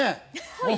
はい！